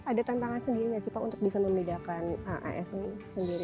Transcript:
ada tantangan sendiri nggak sih pak untuk bisa memindahkan asn sendiri